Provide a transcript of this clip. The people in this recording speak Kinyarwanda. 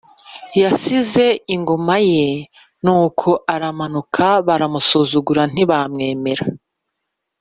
Yasize ingoma ye nuko aramanuka baramusuzugura ntibamwemera